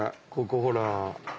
ここほら。